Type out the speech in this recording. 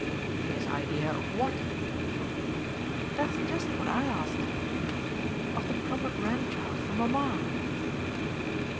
'" "His idea of what?" "That's just what I asked her. Of the proper grandchild for mamma."